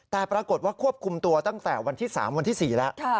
แต่ปรากฏว่าควบคุมตัวตั้งแต่วันที่๓วันที่๔แล้ว